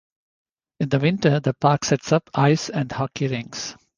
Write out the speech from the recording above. In the winter the park sets up ice and hockey rinks.